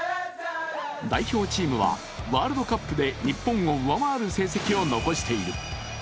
代表チームはワールドカップで日本を上回る成績を残している。